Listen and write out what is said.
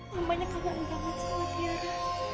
namanya kamu ada banget sama tiara